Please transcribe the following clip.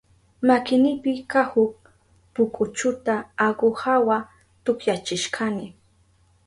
Makinipi kahuk pukuchuta aguhawa tukyachishkani.